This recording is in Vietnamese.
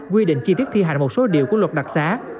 quy định chi tiết thi hành một số điều của luật đặc xá